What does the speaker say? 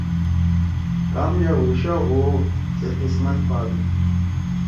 کام یأ ہُوشا ہُو او سے قسمت پادُو۔